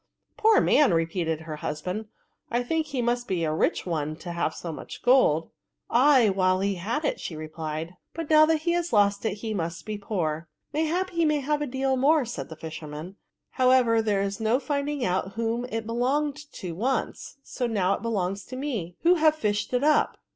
" Poor man !" repeated her hus band ;" I think he must be a rich one to have so much gold." " Ay, whfle he had it," replied she ;" but now that he has lost it he must be poor." " Mayhap, he may have a deal more," said the fisherman ;" however, there's no fiTif|ing out whom it belonged to once, so now it belongs to me, who have fished it up."